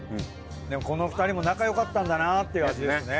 でもこの２人も仲よかったんだなっていう味ですね。